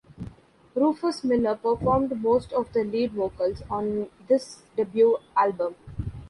Rufus Miller performed most of the lead vocals on this debut album.